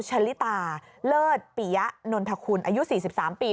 ชะลิตาเลิศปิยะนนทคุณอายุ๔๓ปี